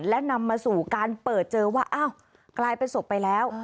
และนำมาสู่การเปิดเจอว่าอ้าวกลายเป็นศพไปแล้ว